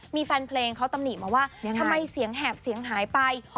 มีแฟนเพลงเขาตำหนิมาว่าทำไมเสียงแหบเสียงหายไป